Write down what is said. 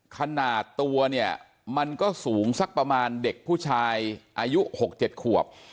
ขนาดตัวเนี่ยมันก็สูงสักประมาณเด็กผู้ชายอายุ๖๗ขวบ